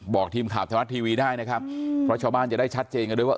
บอกทีมข่าวธรรมรัฐทีวีได้นะครับเพราะชาวบ้านจะได้ชัดเจนกันด้วยว่า